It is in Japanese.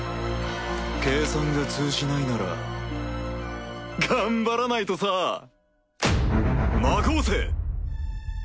計算が通じないなら頑張らないとさ魔合成！